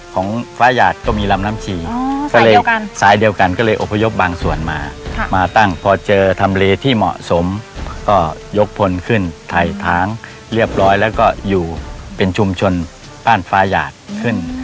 ก็เลยอพยพบางส่วนมามาตั้งพอเจอธรรมเลที่เหมาะสมก็ยกพลขึ้นถ่ายทางเรียบร้อยแล้วก็อยู่เป็นชุมชนบ้านฟ้าหยาดขึ้น